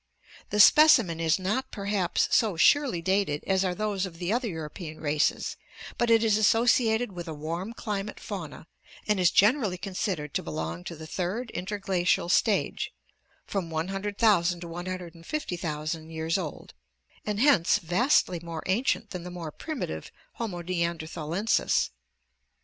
The specimen is not, perhaps, so surely dated as are those of the other European races, but it is associated with a warm climate fauna and is generally considered to belong to the Third Inter glacial stage — from 100,000 to r 50,000 years old, and hence vastly more ancient than the more primitive Homo ntanderthalensis.